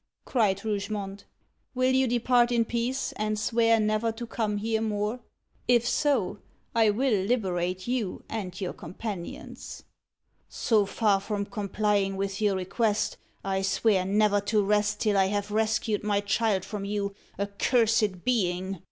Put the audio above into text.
cried Rougemont. "Will you depart in peace, and swear never to come here more? If so, I will liberate you and your companions." "So far from complying with your request, I swear never to rest till I have rescued my child from you, accursed being!"